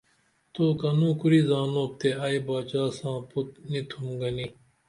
تو کنو کُری زانوپ تے ائی باچا ساں پُت نی تُھم گنی